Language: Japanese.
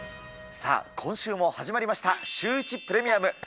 さあ、今週も始まりました、シューイチプレミアム。